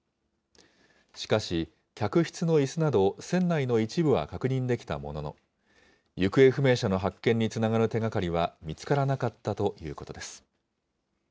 しかし客室のいすなど、船内の一部は確認できたものの、行方不明者の発見につながる手がかりは見つからなかったということです。